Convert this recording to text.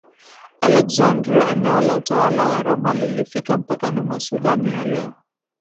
Aleksandria Eneo la utawala wa Roma lilifika mpakani mwa Sudani ya leo